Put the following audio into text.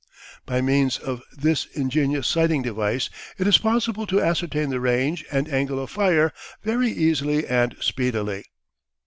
By means of this ingenious sighting device it is possible to ascertain the range and angle of fire very easily and speedily.